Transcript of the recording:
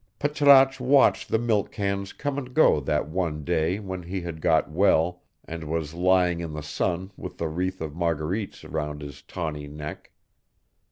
Patrasche watched the milk cans come and go that one day when he had got well and was lying in the sun with the wreath of marguerites round his tawny neck.